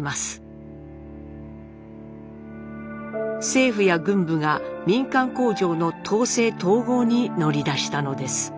政府や軍部が民間工場の統制統合に乗り出したのです。